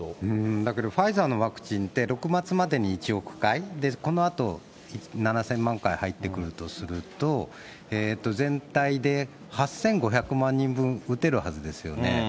だけど、ファイザーのワクチンって、６月末までに１億回、このあと７０００万回入ってくるとすると、全体で８５００万人分、打てるはずですよね。